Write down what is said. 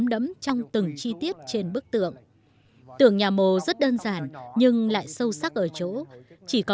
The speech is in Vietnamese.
đấy mình mới tập được